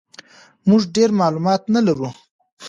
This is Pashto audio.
موږ ډېر معلومات نه لرو.